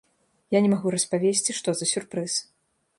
Я не магу распавесці, што за сюрпрыз.